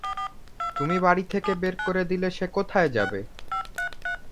তুই বাড়ি থেকে বের করে দিলে সে কোথায় যাবে?